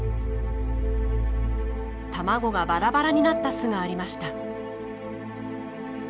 卵がバラバラになった巣がありました。